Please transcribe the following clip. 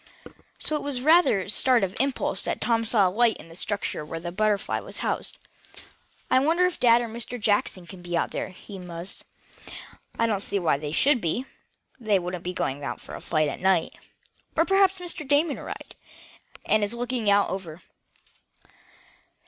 So it was with rather a start of surprise that Tom saw a light in the structure where the BUTTERFLY was housed. "I wonder if dad or Mr. Jackson can be out there?" he mused. "Yet, I don't see why they should be. They wouldn't be going for a flight at night. Or perhaps Mr. Damon arrived, and is out looking it over."